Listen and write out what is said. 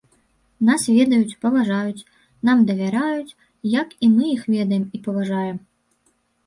Нас ведаюць, паважаюць, нам давяраюць, як і мы іх ведаем і паважаем.